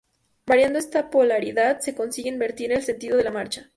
Variando esta polaridad se consigue invertir el sentido de la marcha.